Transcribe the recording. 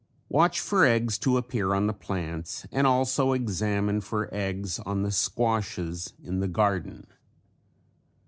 Watch for eggs to appear on the plants and also examine for eggs on the squashes in the garden.